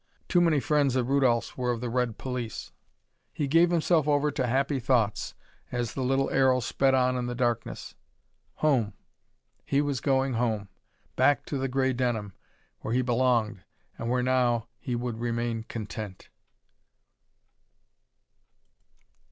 Too many friends of Rudolph's were of the red police. He gave himself over to happy thoughts as the little aero sped on in the darkness. Home! He was going home! Back to the gray denim, where he belonged and where now he would remain content.